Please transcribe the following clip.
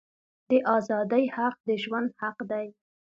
د آزادی حق د ژوند حق دی.